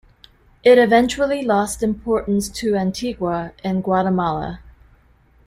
It eventually lost importance to Antigua, in Guatemala.